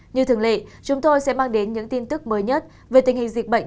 như thường lệ chúng tôi sẽ mang đến những tin tức mới nhất về tình hình dịch bệnh